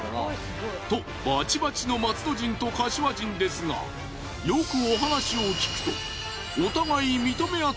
とバチバチの松戸人と柏人ですがよくお話を聞くと。